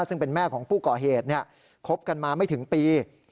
ซึ่งเป็นแม่ของผู้ก่อเหตุคบกันมาไม่ถึงปี